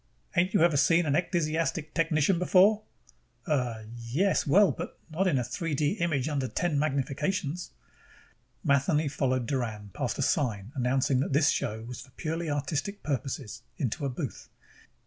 "Ain't you ever seen a ecdysiastic technician before?" "Uh, yes, but well, not in a 3 D image under ten magnifications." Matheny followed Doran past a sign announcing that this show was for purely artistic purposes, into a booth.